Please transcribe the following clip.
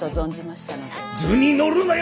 図に乗るなよ